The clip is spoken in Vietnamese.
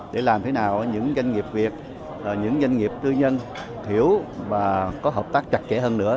để làm thế nào những doanh nghiệp việt những doanh nghiệp tư nhân hiểu và có hợp tác chặt chẽ hơn nữa